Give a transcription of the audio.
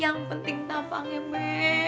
yang penting tampangnya meh